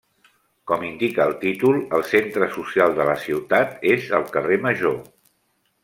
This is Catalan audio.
Com indica el títol, el centre social de la ciutat és el Carrer Major.